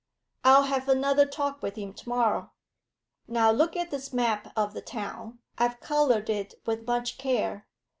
I'll have another talk with him to morrow. Now look at this map of the town; I've coloured it with much care.